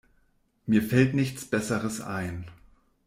Mir fällt nichts besseres ein.